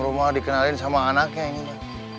di rumah dikenalin sama anaknya ini